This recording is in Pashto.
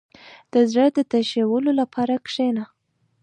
• د زړۀ د تشولو لپاره کښېنه.